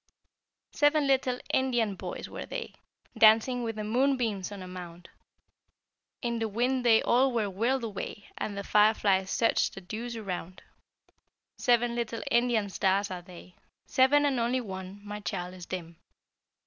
Seven little Indian boys were they, Dancing with the moonbeams on a mound, In the wind they all were whirled away, And the fireflies searched the dews around. Seven little Indian stars are they, Seven, and only one, my child, is dim.